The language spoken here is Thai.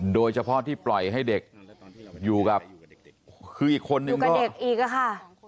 โดยเฉพาะที่ปล่อยให้เด็กอยู่กับคืออีกคนนึงก็เด็กอีกอะค่ะ